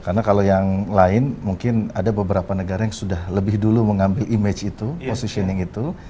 karena kalau yang lain mungkin ada beberapa negara yang sudah lebih dulu mengambil image itu positioning itu